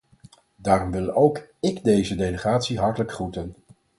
Daarom wil ook ik deze delegatie hartelijke groeten.